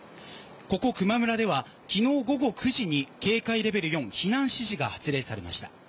ここ、球磨村では昨日午後９時に、警戒レベル４の避難指示が発令されました。